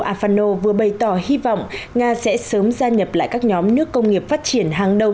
afano vừa bày tỏ hy vọng nga sẽ sớm gia nhập lại các nhóm nước công nghiệp phát triển hàng đầu